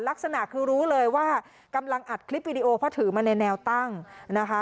ลักษณะคือรู้เลยว่ากำลังอัดคลิปวิดีโอเพราะถือมาในแนวตั้งนะคะ